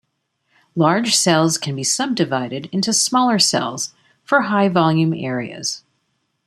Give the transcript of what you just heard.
Large cells can be subdivided into smaller cells for high volume areas.